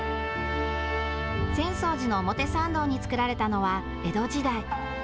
浅草寺の表参道につくられたのは江戸時代。